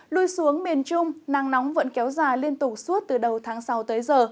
lui xuống miền trung nắng nóng vẫn kéo dài liên tục suốt từ đầu tháng sáu tới giờ